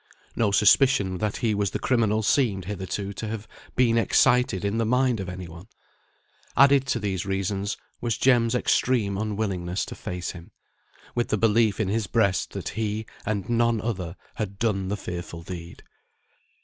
No suspicion that he was the criminal seemed hitherto to have been excited in the mind of any one. Added to these reasons was Jem's extreme unwillingness to face him, with the belief in his breast that he, and none other, had done the fearful deed.